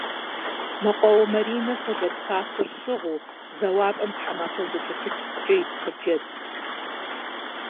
Мэкъуауэ Маринэ сэлэт фащэр щыгъыу, зэуапӏэм тхьэмахуэ зэкӏэлъыпыткӏэ ит хъыджэбзт.